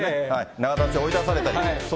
永田町、追い出されたり。